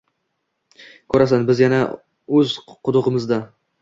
Ko’rasan biz yana o’z qudug’imizda